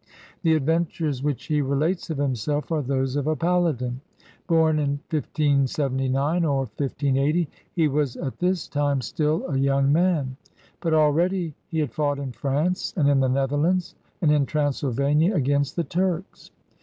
The adventures which he relates of himself are those of a paladin. Born in 1579 or 1580, he was at this time still a young man. But already he had fought in France and in the Netherlands, and in Transylvania against the Turks.